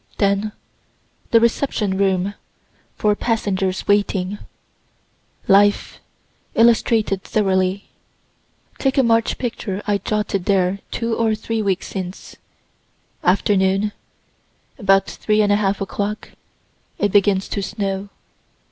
Then the reception room, for passengers waiting life illustrated thoroughly. Take a March picture I jotted there two or three weeks since. Afternoon, about 3 1/2 o'clock, it begins to snow.